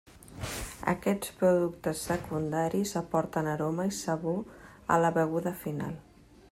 Aquests productes secundaris aporten aroma i sabor a la beguda final.